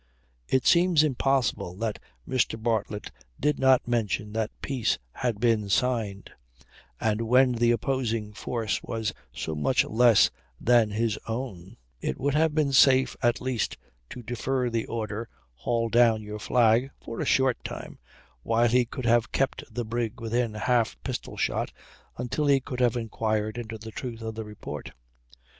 It seems impossible that Mr. Bartlett did not mention that peace had been signed; and when the opposing force was so much less than his own it would have been safe at least to defer the order "haul down your flag" for a short time, while he could have kept the brig within half pistol shot, until he could have inquired into the truth of the report.